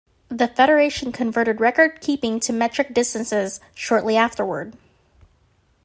The federation converted record-keeping to metric distances shortly afterward.